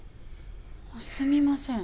すみません。